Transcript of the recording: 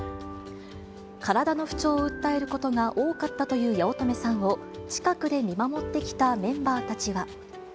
体の不調を訴えることが多かったという八乙女さんを、近くで見守ってきたメンバーたちは。